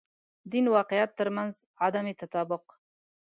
دین واقعیت تر منځ عدم تطابق.